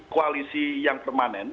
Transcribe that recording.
koalisi yang permanen